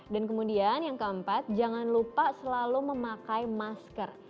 dan kemudian yang keempat jangan lupa selalu memakai masker